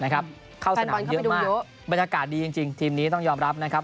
เข้าสนามเยอะมากบรรยากาศดีจริงทีมนี้ต้องยอมรับนะครับ